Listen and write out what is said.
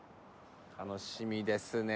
楽しみですね